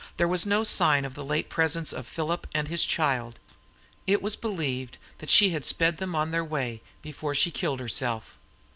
There was no sign of the late presence of Philip and his child; it was believed she had sped them on their way before she killed herself.